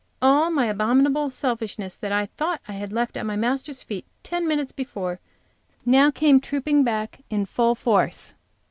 All my abominable selfishness that I thought I had left at my Master's feet ten minutes before now came trooping back in full force.